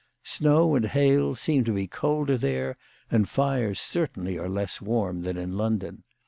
Snow and hail seem to be colder there, and fires cer tainly are less warm, than in London.